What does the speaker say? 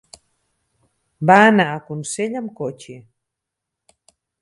Va anar a Consell amb cotxe.